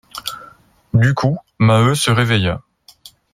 Du coup, Maheu se réveilla.